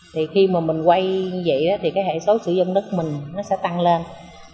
thì khi mà mình quay như vậy thì cái hệ số sử dụng đất mình nó sẽ tăng lên